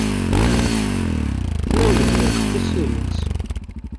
Tnawel-d berkukes i yimensi.